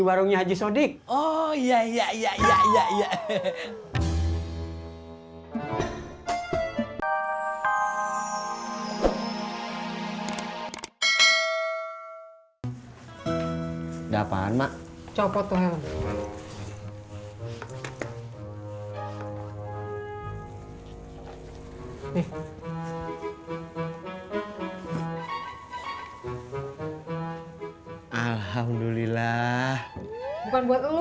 buat siapa mak